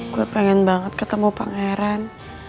gue pengen banget ketemu pak ngeran